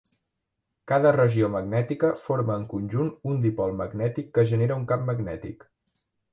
Cada regió magnètica forma en conjunt un dipol magnètic que genera un camp magnètic.